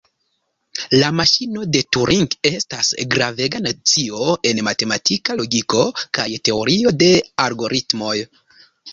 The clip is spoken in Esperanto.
La maŝino de Turing estas gravega nocio en matematika logiko kaj teorio de algoritmoj.